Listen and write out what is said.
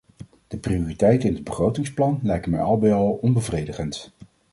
De prioriteiten in het begrotingsplan lijken mij al bij al onbevredigend.